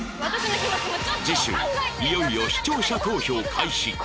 次週いよいよ視聴者投票開始